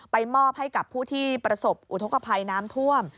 มอบให้กับผู้ที่ประสบอุทธกภัยน้ำท่วม